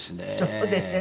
そうですね。